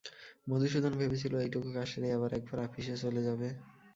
মধুসূদন ভেবেছিল এইটুকু কাজ সেরেই আবার একবার আপিসে চলে যাবে।